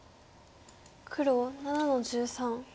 黒７の十三。